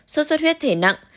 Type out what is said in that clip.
suốt suốt huyết thể nặng